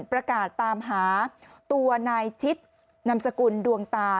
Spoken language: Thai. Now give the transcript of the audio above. ประกาศตามหาตัวนายชิดนำสกุลดวงตา